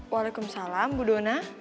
waalaikumsalam bu dona